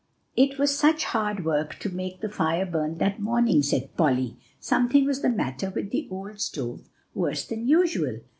"It was such hard work to make the fire burn that morning," said Polly. "Something was the matter with the old stove worse than usual.